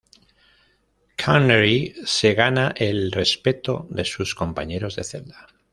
Connery se gana el respeto de sus compañeros de celda.